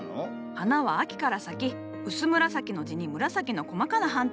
花は秋から咲き薄紫の地に紫の細かな斑点がある。